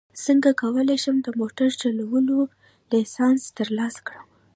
څنګه کولی شم د موټر چلولو لایسنس ترلاسه کړم